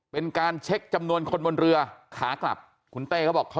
เป็นการเช็คจำนวนคนบนเรือขาขนับ